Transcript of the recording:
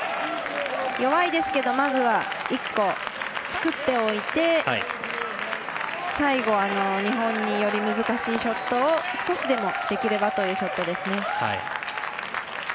弱いですけどまずは１個作っておいて最後、日本により難しいショットを少しでもできればというショットですね。